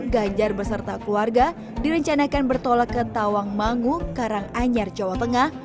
ganjar beserta keluarga direncanakan bertolak ke tawang mangu karanganyar jawa tengah